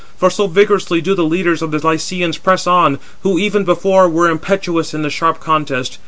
For so vigorously do the leaders of the Lycians press on, who even before were impetuous in the sharp contest.